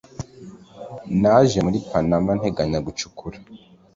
naje muri panama nteganya gucukura